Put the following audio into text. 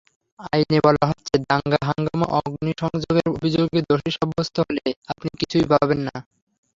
আইনে বলা হচ্ছে, দাঙ্গা-হাঙ্গামা-অগ্নিসংযোগের অভিযোগে দোষী সাব্যস্ত হলে আপনি কিছুই পাবেন না।